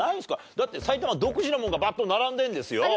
だって埼玉独自のものがバッと並んでるんですよ。